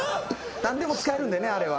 何でも使えるんでねあれは。